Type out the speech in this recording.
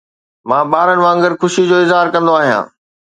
مان ٻارن وانگر خوشي جو اظهار ڪندو آهيان